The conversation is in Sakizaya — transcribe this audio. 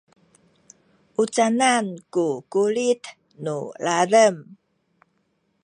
u canan ku kulit nu ladem?